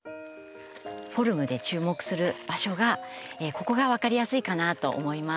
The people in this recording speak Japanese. フォルムで注目する場所がここが分かりやすいかなと思います。